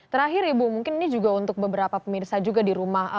terakhir ibu mungkin ini juga untuk beberapa pemirsa juga di rumah